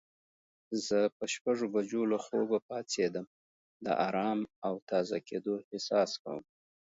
زه په شپږ بجو له خوبه پاڅیدم د آرام او تازه کیدو احساس کوم.